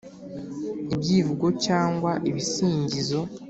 ibyivugo cyangwa ibisingizo